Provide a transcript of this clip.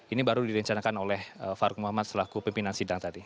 ini baru direncanakan oleh faruk muhammad selaku pimpinan sidang tadi